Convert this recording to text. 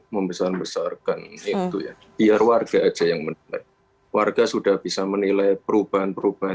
membesar besarkan itu ya biar warga aja yang menilai warga sudah bisa menilai perubahan perubahan